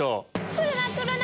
来るな来るな！